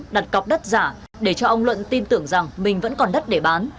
đặt cọc đất giả để cho ông luận tin tưởng rằng mình vẫn còn đất để bán